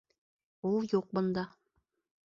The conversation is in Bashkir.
Ул юҡ бында!